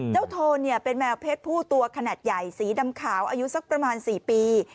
โทนเป็นแมวเพศผู้ตัวขนาดใหญ่สีดำขาวอายุสักประมาณ๔ปี